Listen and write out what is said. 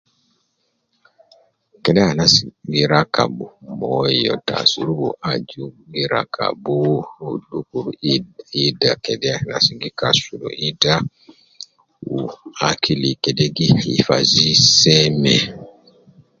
kede anas gi rakab moyo te asurubu aju gi rakabu dukur id ida kede anas gi kasul ida wu akili kede gi hifazi seme